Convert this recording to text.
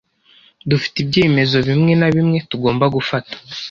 Dufite ibyemezo bimwe na bimwe tugomba gufata.